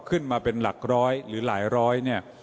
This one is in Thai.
ขึ้นมาเป็นหลักร้อยหรือหลายร้อยเนี่ย